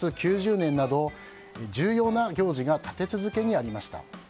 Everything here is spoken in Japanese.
９０年など重要な行事が立て続けにありました。